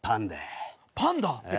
パンダや。